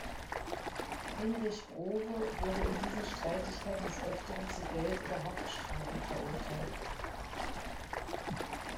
Hinrich Grove wurde in diesen Streitigkeiten des Öfteren zu Geld- oder Haftstrafen verurteilt.